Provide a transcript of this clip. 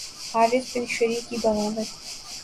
Haris bin Shurayh کی بغاوت